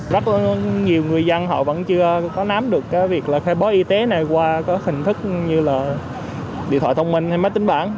rất nhiều người dân họ vẫn chưa có nắm được việc khai báo y tế này qua hình thức như là điện thoại thông minh hay máy tính bản